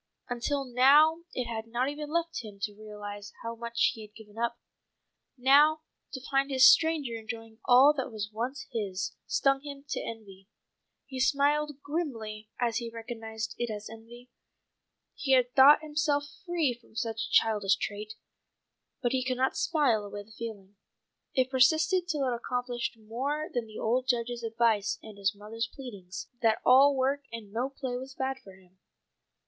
Until now it had not even left him time to realize how much he had given up. Now to find this stranger enjoying all that was once his, stung him to envy. He smiled grimly as he recognized it as envy. He had thought himself free from such a childish trait. But he could not smile away the feeling. It persisted till it accomplished more than the old Judge's advice and his mother's pleadings, that all work and no play was bad for him.